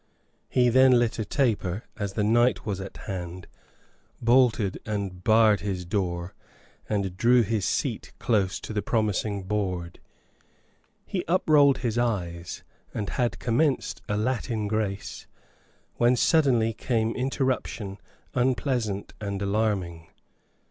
He then lit a taper, as the night was at hand, bolted and barred his door, and drew his seat close to the promising board. He uprolled his eyes, and had commenced a Latin grace, when suddenly came interruption unpleasant and alarming.